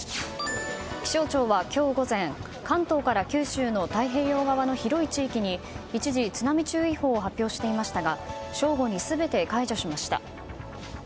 気象庁は今日午前関東から九州の太平洋側の広い地域に一時、津波注意報を発表していましたが正午に全て解除しました。